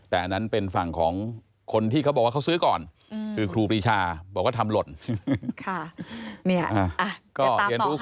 แต่อันนั้นเป็นฝั่งของคนที่เขาบอกว่าเขาซื้อก่อนคือครูปรีชาบอกว่าทำหล่น